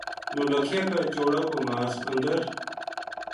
نولکھیا کا چوڑا کو ماس اندر